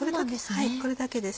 これだけです。